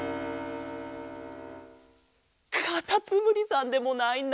かたつむりさんでもないんだよ。